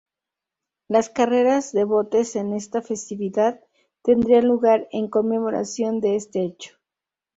Las carreras de botes en esta festividad tendrían lugar en conmemoración de este hecho.